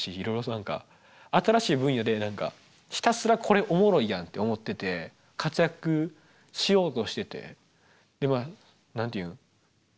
何か新しい分野でひたすらこれおもろいやんって思ってて活躍しようとしててでまあ何て言うん？